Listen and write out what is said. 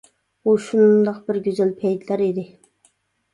ئۇ شۇنداق بىر گۈزەل پەيتلەر ئىدى.